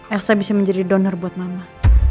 elsa bisa menjadi donor buat mama